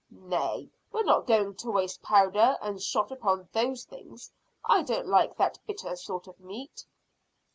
"Nay, we're not going to waste powder and shot upon those things. I don't like that bitter sort of meat."